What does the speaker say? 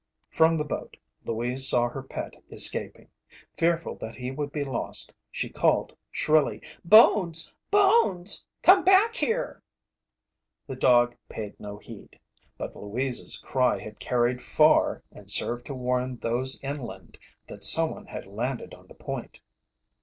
From the boat, Louise saw her pet escaping. Fearful that he would be lost, she called shrilly: "Bones! Bones! Come back here!" The dog paid no heed. But Louise's cry had carried far and served to warn those inland that someone had landed on the point.